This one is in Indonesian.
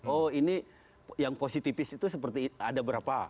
oh ini yang positifis itu seperti ada berapa